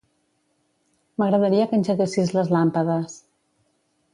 M'agradaria que engeguessis les làmpades.